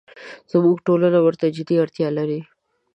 زموږ ټولنه ورته جدي اړتیا لري.